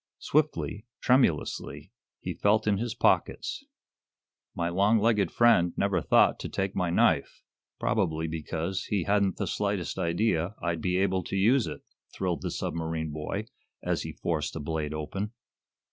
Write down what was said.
Swiftly, tremulously, he felt in his pockets. "My long legged friend never thought to take my knife probably because he hadn't the slightest idea I'd be able to use it," thrilled the submarine boy, as he forced a blade open.